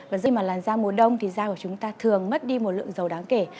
và khi mà làn da mùa đông thì dao của chúng ta thường mất đi một lượng dầu đáng kể